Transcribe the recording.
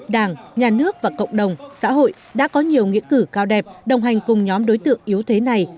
đảng nhà nước và cộng đồng xã hội đã có nhiều nghĩa cử cao đẹp đồng hành cùng nhóm đối tượng yếu thế này